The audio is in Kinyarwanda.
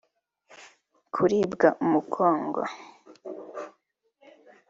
kuribwa umugongo